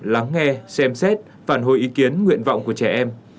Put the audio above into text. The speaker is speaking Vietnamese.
lắng nghe xem xét phản hồi ý kiến nguyện vọng của trẻ em